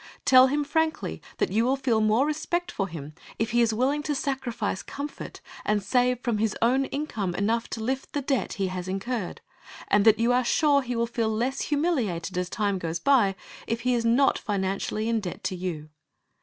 Tell him frankly that you will feel more respect for him if he is willing to sacrifice comfort and save from his own income enough to lift the debt he has incurred, and that you are sure he will feel less humiliated as time goes by if he is not financially in debt to you.